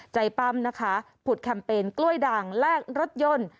ปั้มนะคะผุดแคมเปญกล้วยด่างแลกรถยนต์